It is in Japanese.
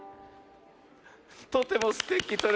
とてもすてき。